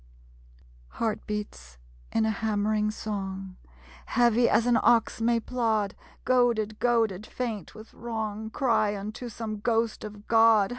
Heart beats, in a hammering song, Heavy as an ox may plod, Goaded goaded faint with wrong, Cry unto some ghost of God